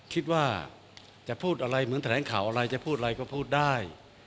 คิดว่าจะพูดอะไรเหมือนแถลงข่าวอะไรจะพูดอะไรก็พูดได้